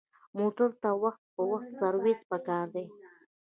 موټر ته وخت په وخت سروس پکار دی.